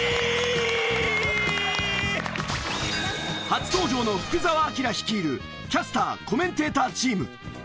初登場の福澤朗率いるキャスター・コメンテーターチーム。